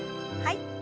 はい。